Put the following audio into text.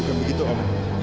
bukan begitu om